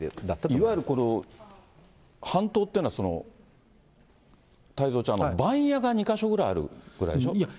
いわゆるこれ、半島というのは、太蔵ちゃん、番屋が２か所ぐらいあるぐらいでしょ。